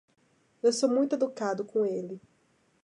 Eu sou muito educado com ele.